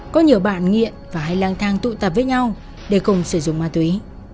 có nhiều bạn nghiện và hay lang thang tụ tập với nhau để cùng sử dụng ma túy